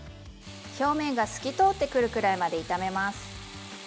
表面が透き通ってくるくらいまで炒めます。